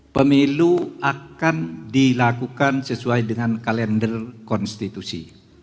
pemilu akan dilakukan sesuai dengan kalender konstitusi